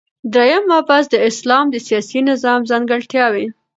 دریم مبحث : د اسلام د سیاسی نظام ځانګړتیاوی